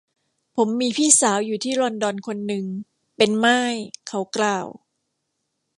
ผมมีพี่สาวอยู่ที่ลอนดอนคนนึง เป็นม่าย เขากล่าว